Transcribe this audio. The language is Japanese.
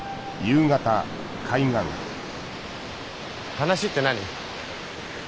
話って何？